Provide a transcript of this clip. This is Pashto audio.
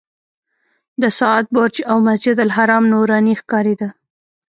د ساعت برج او مسجدالحرام نوراني ښکارېده.